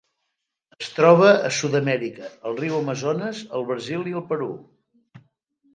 Es troba a Sud-amèrica: el riu Amazones al Brasil i el Perú.